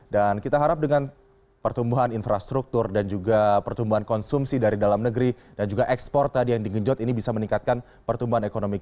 dan kita harap dengan pertumbuhan infrastruktur dan juga pertumbuhan konsumsi dari dalam negeri dan juga ekspor tadi yang di genjot ini bisa meningkatkan pertumbuhan ekonomi kita